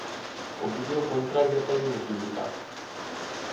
Opinión contraria teñen os sindicatos.